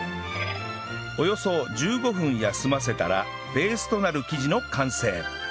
およそ１５分休ませたらベースとなる生地の完成